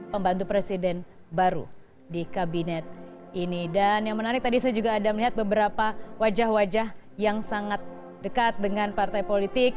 pembantu presiden baru di kabinet ini dan yang menarik tadi saya juga ada melihat beberapa wajah wajah yang sangat dekat dengan partai politik